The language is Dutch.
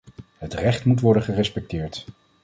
Het recht moet worden gerespecteerd.